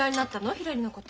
ひらりのこと。